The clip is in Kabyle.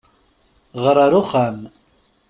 Ɣeṛ ar uxxam!